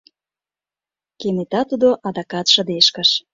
— Кенета тудо адакат шыдешкыш.